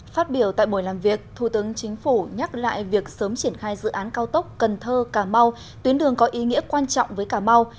phát biểu tại buổi làm việc thủ tướng chính phủ nhắc lại việc sớm triển khai dự án cao tốc cần thơ cà mau tuyến đường có ý nghĩa quan trọng với cà mau